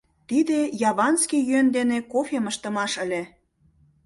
Тиде яванский йӧн дене кофем ыштымаш ыле.